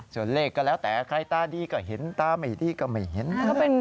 ส่วนเลขก็แล้วแต่ใครตาดีก็เห็นตาไม่ดีก็ไม่เห็น